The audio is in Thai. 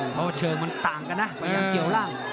เพราะว่าเชิงมันต่างกันนะพยายามเกี่ยวล่าง